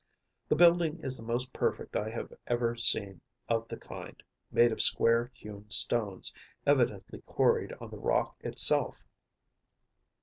The building is the most perfect I have ever seen of the kind, made of square hewn stones, evidently quarried on the rock itself.